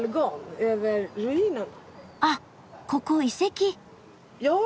あっここ遺跡！